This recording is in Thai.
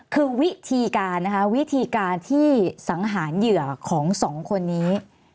คือวิธีการนะคะวิธีการที่สังหารเหยื่อของสองคนนี้